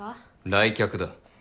来客だ。